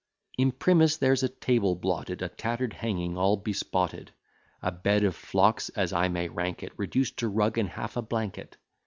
Imprimis, there's a table blotted, A tatter'd hanging all bespotted. A bed of flocks, as I may rank it, Reduced to rug and half a blanket.